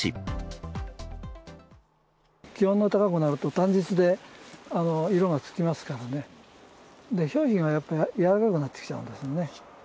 気温が高くなると、単日で色がつきますからね、表皮がやっぱ柔らかくなってきちゃうんですよね。